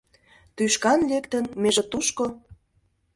Тӱшкан лектын, меже тушко